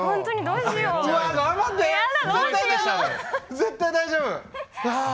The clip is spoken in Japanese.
絶対大丈夫！